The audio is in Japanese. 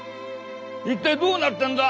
一体どうなってんだ！？